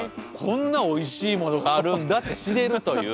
こんなおいしいものがあるんだって知れるという。